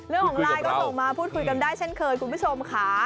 ไลน์ก็ส่งมาพูดคุยกันได้เช่นเคยคุณผู้ชมค่ะ